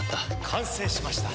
完成しました。